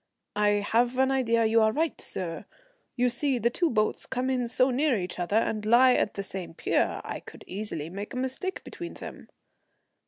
"I have an idea you are right, sir. You see the two boats come in so near each other and lie at the same pier. I could easily make a mistake between them."